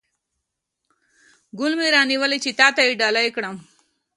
ګل مې را نیولی چې تاته یې ډالۍ کړم